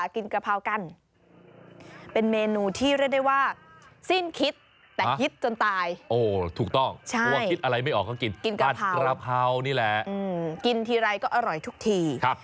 กินกะเพราบัตรกะเพรานี่แหละอืมกินทีไรก็อร่อยทุกทีครับ